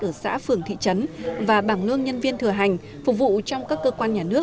ở xã phường thị trấn và bảng lương nhân viên thừa hành phục vụ trong các cơ quan nhà nước